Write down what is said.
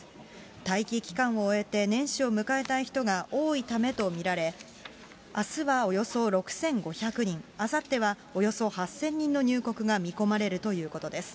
待機期間を終えて年始を迎えたい人が多いためと見られ、あすはおよそ６５００人、あさってはおよそ８０００人の入国が見込まれるということです。